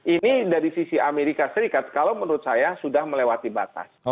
ini dari sisi amerika serikat kalau menurut saya sudah melewati batas